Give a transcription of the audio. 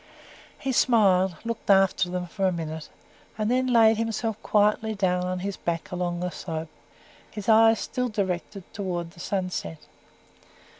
He smiled, looked after them for a minute, and then laid himself quietly down on his back along the slope, his eyes still directed towards the sunset.